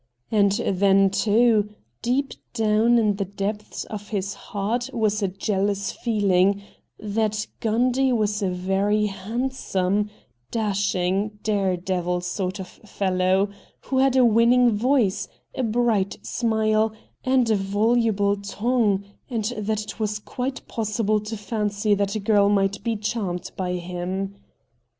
And then, too, deep down in the depths of his heart was a jealous feeling that Gundy was a very handsome, dashing, dare devil sort of fellow, who had a winning voice, a bright smile, and a voluble tongue, and that it was quite possible to fancy that a girl might be charmed by him.